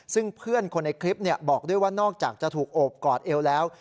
ซึ่งเพื่อนคนในคลิปบอกด้วยว่านอกจากจะถูกโอบกอดเอวแล้ว